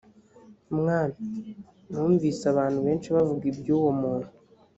mwami numvise abantu benshi bavuga iby uwo muntu